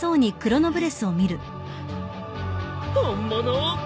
本物！